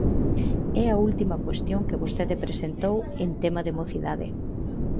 E a última cuestión que vostede presentou, en tema de mocidade.